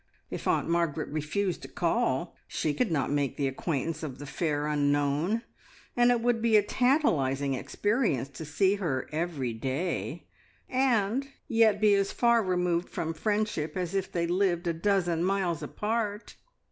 If Aunt Margaret refused to call, she could not make the acquaintance of the fair unknown, and it would be a tantalising experience to see her every day, and, yet be as far removed from friendship as if they lived a dozen miles apart!